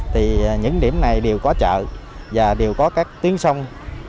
thì những điểm này đều có chợ và đều có các tuyến sông